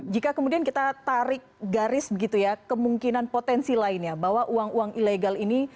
jika kemudian kita tarik garis begitu ya kemungkinan potensi lainnya bahwa uang uang ilegal ini